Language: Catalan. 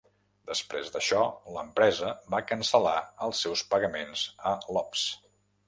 Després d'això, l'empresa va cancel·lar els seus pagaments a Iops.